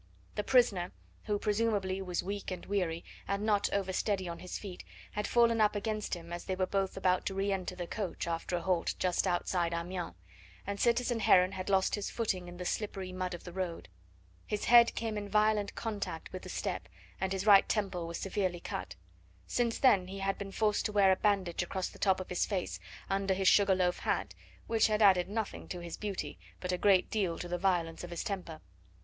The prisoner, who presumably was weak and weary, and not over steady on his feet, had fallen up against him as they were both about to re enter the coach after a halt just outside Amiens, and citizen Heron had lost his footing in the slippery mud of the road. His head came in violent contact with the step, and his right temple was severely cut. Since then he had been forced to wear a bandage across the top of his face, under his sugar loaf hat, which had added nothing to his beauty, but a great deal to the violence of his temper.